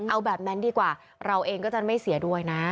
เอาแบบนั้นดีกว่าเราเองก็จะไม่เสียด้วยนะ